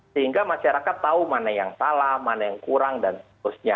sehingga masyarakat tahu mana yang salah mana yang kurang dan seterusnya